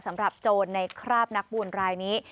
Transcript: สำหรับโจรในคราบนักบุญรายนี้